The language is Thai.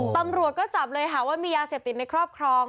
ตำรวจก็จับเลยหาว่ามียาเสพติดในครอบครอง